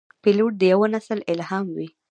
پیلوټ د یوه نسل الهام وي.